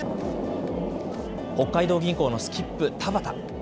北海道銀行のスキップ、田畑。